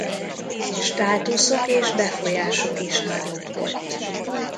Státuszuk és befolyásuk is nagyobb volt.